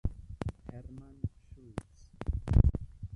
Hermann Schultz!